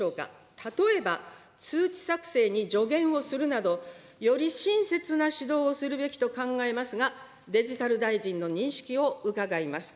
例えば、通知作成に助言をするなど、より親切な指導をするべきと考えますが、デジタル大臣の認識を伺います。